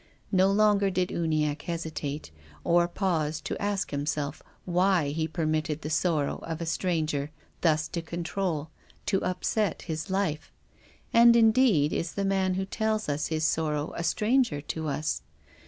No longer did Uniacke hesitate, or pause to ask himself why he permitted the sorrow of a stranger thus to control, to upset, his life. And, indeed, is the man who tells us his sorrow a stranger to us?